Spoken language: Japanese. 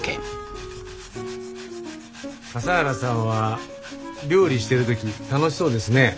笠原さんは料理してる時楽しそうですね。